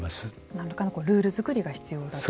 何らかのルール作りが必要だと。